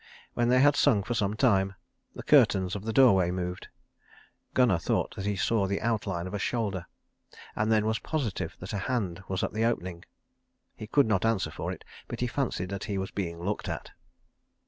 When they had sung for some time, the curtains of the doorway moved; Gunnar thought that he saw the outline of a shoulder, and then was positive that a hand was at the opening. He could not answer for it, but he fancied that he was being looked at.